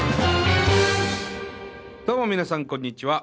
どうも皆さんこんにちは。